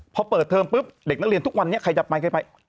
พอเปิดเทอมปุ๊บเด็กนักเรียนทุกวันนี้ใครจะไปใครไป